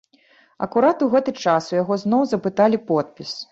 Акурат у гэты час у яго зноў запыталі подпіс.